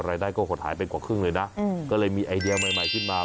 รายได้ก็หดหายไปกว่าครึ่งเลยนะก็เลยมีไอเดียใหม่ขึ้นมา